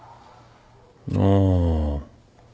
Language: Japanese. ああ。